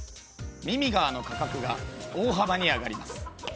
ミミガーの価格が大幅に上がります。